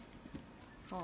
ああ。